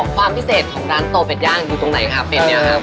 ความพิเศษของร้านโตเป็ดย่างอยู่ตรงไหนคะเป็ดเนี่ยครับ